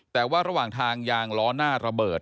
แต่ว่าระหว่างทางยางล้อหน้าระเบิด